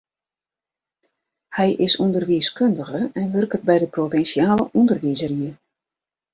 Hy is ûnderwiiskundige en wurket by de provinsjale ûnderwiisrie.